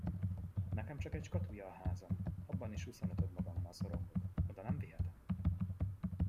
Nekem csak egy skatulya a házam, abban is huszonötödmagammal szorongok, oda nem vihetem.